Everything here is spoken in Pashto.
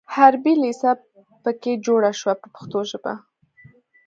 حربي لېسه په کې جوړه شوه په پښتو ژبه.